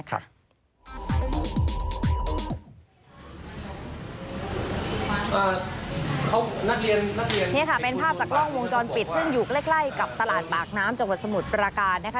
นี่ค่ะเป็นภาพจากกล้องวงจรปิดซึ่งอยู่ใกล้กับตลาดปากน้ำจังหวัดสมุทรปราการนะคะ